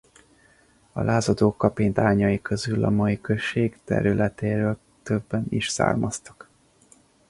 A lázadók kapitányai közül a mai község területéről többen is származtak.